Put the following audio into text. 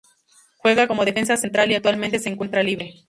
Juega como defensa central y actualmente se encuentra libre.